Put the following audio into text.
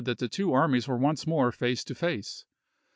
that the two armies were once more face to face.